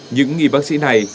những nghị bác sĩ này